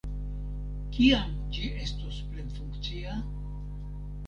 Kiam ĝi estos plenfunkcia?